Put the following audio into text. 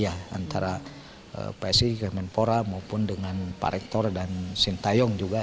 antara psi kemenpora maupun dengan pak rektor dan sintayong juga